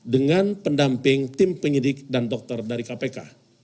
dengan pendamping tim penyidik dan dokter dari kpk